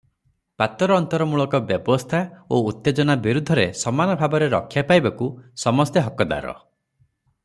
ପାତ୍ରଅନ୍ତରମୂଳକ ବ୍ୟବସ୍ଥା ଓ ଉତ୍ତେଜନା ବିରୁଦ୍ଧରେ ସମାନ ଭାବରେ ରକ୍ଷା ପାଇବାକୁ ସମସ୍ତେ ହକଦାର ।